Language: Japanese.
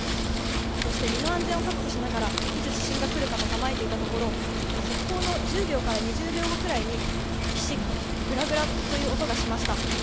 そして、身の安全を確保しながら、いつ地震が来るかと構えていたところ、速報の１０秒から２０秒後くらいに、ぴしっ、ぐらぐらっという音がしました。